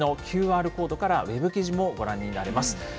右上のＱＲコードから、ウェブ記事もご覧になれます。